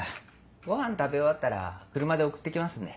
ごはん食べ終わったら車で送っていきますので。